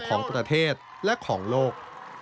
ของประเทศและของโลก